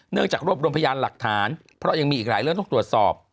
จากรวบรวมพยานหลักฐานเพราะยังมีอีกหลายเรื่องต้องตรวจสอบ